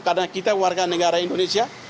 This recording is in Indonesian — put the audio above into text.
karena kita warga negara indonesia